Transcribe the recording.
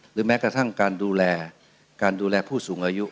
แม้กระทั่งการดูแลการดูแลผู้สูงอายุ